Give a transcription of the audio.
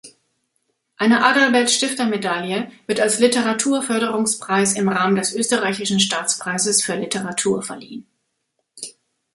Eine Adalbert-Stifter-Medaille wird als Literatur-Förderungspreis im Rahmen des Österreichischen Staatspreises für Literatur verliehen.